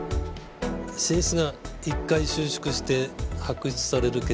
心室が１回収縮して拍出される血液量